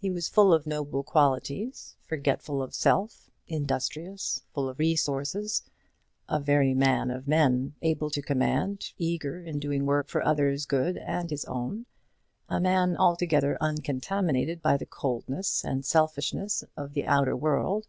He was full of noble qualities; forgetful of self, industrious, full of resources, a very man of men, able to command, eager in doing work for others' good and his own, a man altogether uncontaminated by the coldness and selfishness of the outer world.